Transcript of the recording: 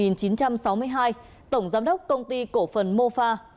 năm một nghìn chín trăm sáu mươi hai tổng giám đốc công ty cổ phần mô pha